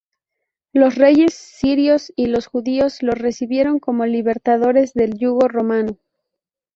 Los reyes sirios y los judíos los recibieron como libertadores del yugo romano.